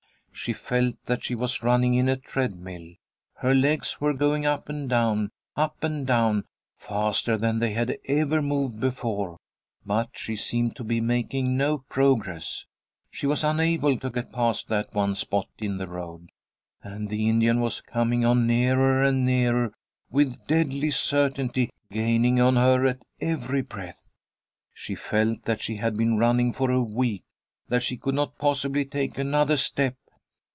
She felt that she was running in a treadmill. Her legs were going up and down, up and down, faster than they had ever moved before, but she seemed to be making no progress; she was unable to get past that one spot in the road. And the Indian was coming on nearer and nearer, with deadly certainty, gaining on her at every breath. She felt that she had been running for a week, that she could not possibly take another step.